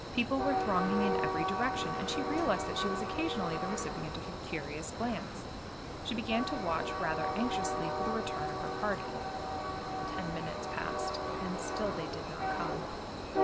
People were thronging in every direction, and she realized that she was occasionally the recipient of a curious glance. She began to watch rather anxiously for the return of her party. Ten minutes passed, and still they did not come.